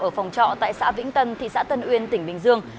ở phòng trọ tại xã vĩnh tân thị xã tân uyên tỉnh bình dương